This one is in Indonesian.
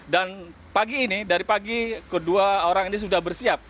dan pagi ini dari pagi kedua orang ini sudah bersiap